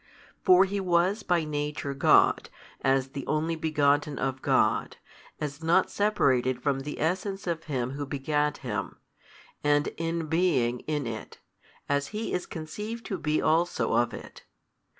For He was by Nature God, as the Only Begotten of God, as not separated from the Essence of Him Who begat Him, and in being in It, as He is conceived to be |309 also of it.